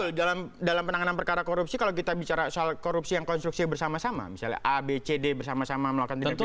betul dalam penanganan perkara korupsi kalau kita bicara soal korupsi yang konstruksi bersama sama misalnya a b c d bersama sama melakukan tindakan